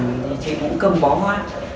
thì chị cũng cầm bó hoa